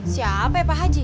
siapa pak pak pak haji